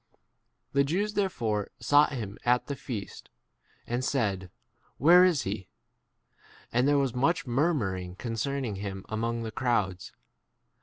The Jews there fore sought him at the feast, and 2 said, Where is he?" And there was much murmuring concerning him among the crowds.